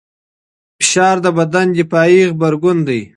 فشار د بدن دفاعي غبرګون دی.